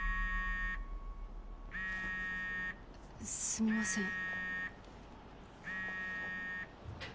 すみません。